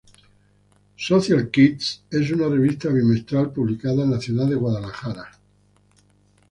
Social Kids es una revista bimestral, publicada en la ciudad de Guadalajara.